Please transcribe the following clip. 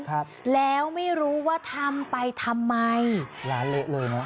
ครับแล้วไม่รู้ว่าทำไปทำไมร้านเละเลยเนอะ